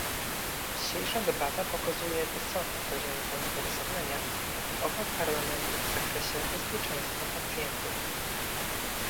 Dzisiejsza debata pokazuje wysoki poziom zainteresowania i obaw Parlamentu w zakresie bezpieczeństwa pacjentów